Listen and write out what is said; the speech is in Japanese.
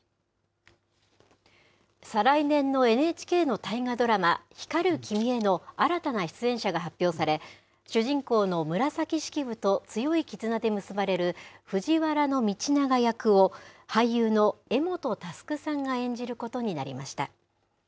再来年のＮＨＫの大河ドラマ、光る君への新たな出演者が発表され、主人公の紫式部と強い絆で結ばれる藤原道長役を、俳優の柄本佑さんが演じることになりました。